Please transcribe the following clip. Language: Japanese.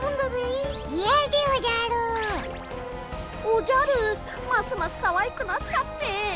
おじゃるますますかわいくなっちゃって。